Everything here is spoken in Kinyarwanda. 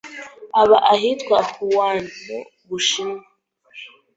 Aba ahitwa Wuhan, mmubushinwa